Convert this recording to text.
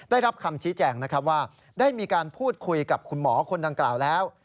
ได้รับคำชี้แจงนะครับว่าได้มีการพูดคุยกับคุณหมอคนดังกล่าวแล้ว